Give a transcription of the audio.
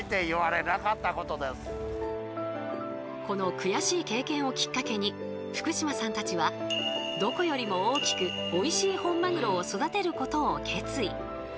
この悔しい経験をきっかけに福島さんたちはどこよりも大きくおいしい本マグロを育てることを決意。